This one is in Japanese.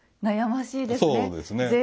悩ましいですね。